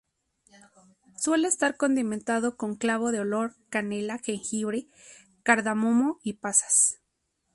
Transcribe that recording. Suele estar condimentado con clavo de olor, canela, jengibre, cardamomo y pasas.